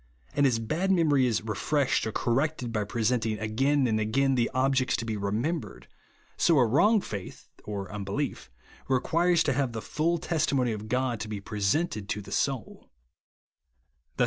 And as bad memory is refreshed or corrected by presenting again and again the objects to be remembered, so a wrong faith (or unbelief) requires to have the full testimony of God to be presented to the soui.